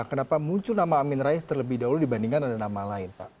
kenapa muncul nama amin rais terlebih dahulu dibandingkan ada nama lain pak